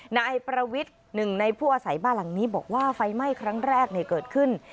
นายประวิทย์หนึ่งในผู้อาศัยบ้านหลังนี้บอกว่าไฟไหม้ครั้งแรกเกิดขึ้น